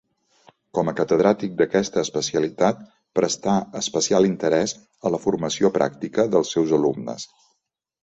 Com a catedràtic d'aquesta especialitat, prestà especial interès a la formació pràctica dels seus alumnes.